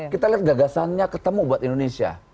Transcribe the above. kita lihat gagasannya ketemu buat indonesia